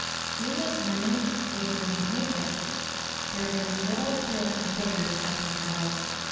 Do you make money or do you not make it? There is as little appeal from figures as from battle.